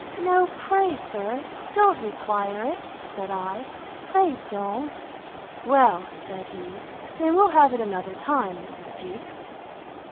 No, pray, sir, don't require it, said I, pray don't. Well, said he, then we'll have it another time, Mrs. Jewkes.